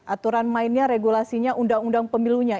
aturan mainnya regulasinya undang undang pemilunya